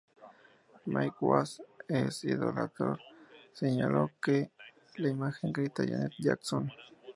Mike Wass de Idolator señaló que la imagen "grita a Janet Jackson.